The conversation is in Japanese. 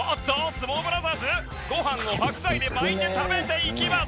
相撲ブラザーズご飯を白菜で巻いて食べていきます。